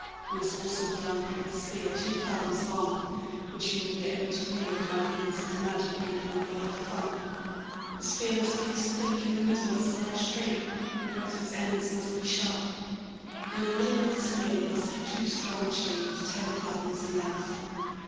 You must also be armed with a spear two fathoms long, which you will be able to wield by means of the magic ring upon your left thumb. The spear must be as thick in the middle as a large tree, and both its ends must be sharp. In the middle of the spear you must have two strong chains ten fathoms in length.